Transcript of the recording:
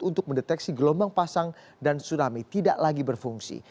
untuk mendeteksi gelombang pasang dan tsunami tidak lagi berfungsi